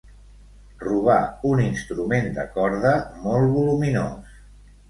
Robar un instrument de corda molt voluminós.